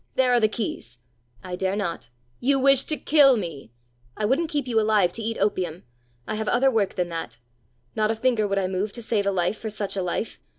There are the keys!" "I dare not." "You wish to kill me!" "I wouldn't keep you alive to eat opium. I have other work than that. Not a finger would I move to save a life for such a life.